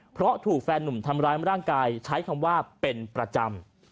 เพราะถูกแฟนหนุ่มทำร้ายร่างกายใช้คำว่าเป็นประจำ